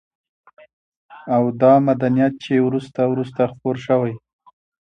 او دا مدنيت چې وروسته وروسته خپور شوى